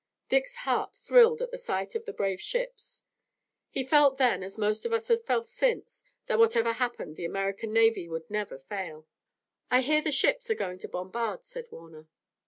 Dick's heart thrilled at the sight of the brave ships. He felt then, as most of us have felt since, that whatever happened the American navy would never fail. "I hear the ships are going to bombard," said Warner.